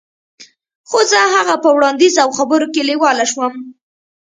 خو زه د هغه په وړاندیز او خبرو کې لیواله شوم